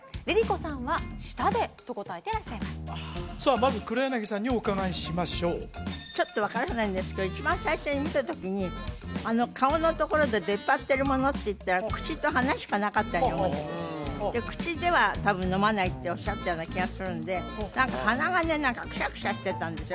まず黒柳さんにお伺いしましょうちょっと分からないんですけど一番最初に見たときにあの顔のところで出っ張ってるものっていったら口と鼻しかなかったように思ってで口では多分飲まないっておっしゃったような気がするんで何か鼻がねくしゃくしゃしてたんですよ